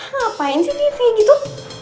ngapain sih dia kayak gitu